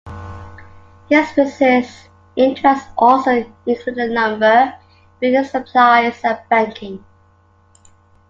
His business interests also included lumber, building supplies and banking.